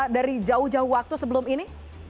dari jauh jauh waktu sebelum ini